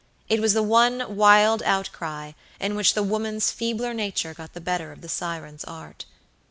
It was the one wild outcry, in which the woman's feebler nature got the better of the siren's art.